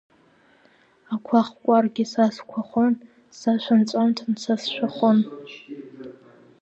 Ақәа хкәаргьы са сқәахон, сашәа нҵәамҭан са сшәахон.